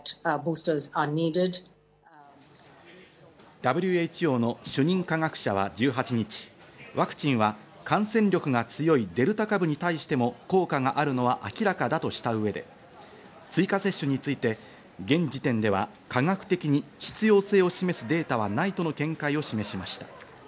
ＷＨＯの主任科学者は１８日、ワクチンは感染力が強いデルタ株に対しても効果があるのは明らかだとした上で、追加接種について現時点では科学的に必要性を示すデータはないとの見解を示しました。